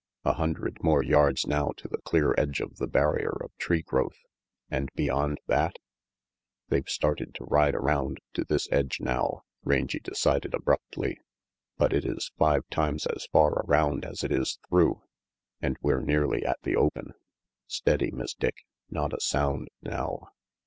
A hundred more yards now to the clear edge of the barrier of tree growth, and beyond that ? "They've started to ride around to this edge now," Rangy decided abruptly, "but it is five times as far around as it is through, and we're nearly at the open. Steady, Miss Dick, not a sound now."